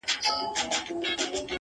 جانان ته تر منزله رسېدل خو تکل غواړي-